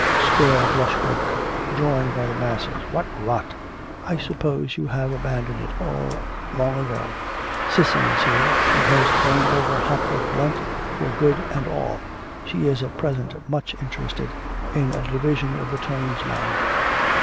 Square brush work, drawing by the masses, what rot! I suppose you have abandoned it all long ago.... Cissy is here, she has thrown over Hopwood Blunt for good and all. She is at present much interested in a division of the tones man.